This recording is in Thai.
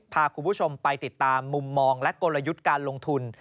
พาคุณผู้ชมไปติดตามมุมมองและกลยุทธ์การลงทุน